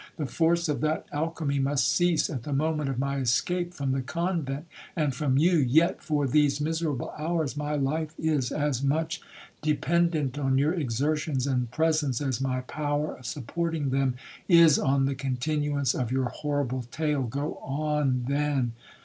The force of that alchemy must cease at the moment of my escape from the convent and from you; yet, for these miserable hours, my life is as much dependent on your exertions and presence, as my power of supporting them is on the continuance of your horrible tale,—go on, then.